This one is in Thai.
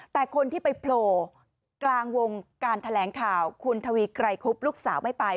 แต่คนที่ไปโผล่กลางวงการแถลงข่าวคุณทวีไกรคุบลูกสาวไม่ไป